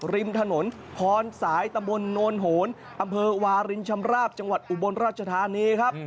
ริมถนนพรสายตะบนโนนโหนอำเภอวารินชำราบจังหวัดอุบลราชธานีครับ